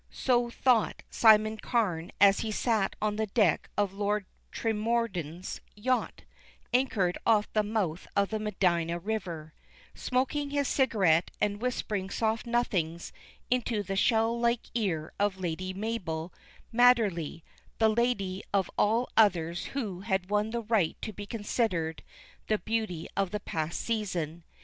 So thought Simon Carne as he sat on the deck of Lord Tremorden's yacht, anchored off the mouth of the Medina River, smoking his cigarette and whispering soft nothings into the shell like ear of Lady Mabel Madderley, the lady of all others who had won the right to be considered the beauty of the past season.